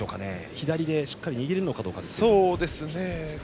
左でしっかり握れるのかどうか。